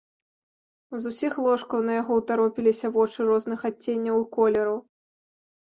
З усіх ложкаў на яго ўтаропіліся вочы розных адценняў і колераў.